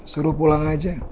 suruh pulang aja